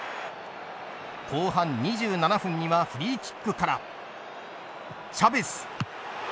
後半２７分にはフリーキックからチャベス。